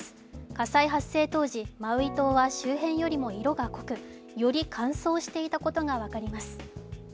火災発生当時、マウイ島は周辺よりも色が濃く、より乾燥していたことが分かります。